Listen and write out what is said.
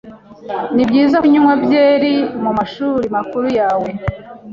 Nibyiza kunywa byeri mumashuri makuru yawe?